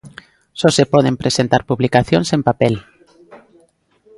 Só se poden presentar publicacións en papel.